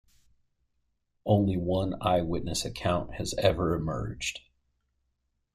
Only one eyewitness account has ever emerged.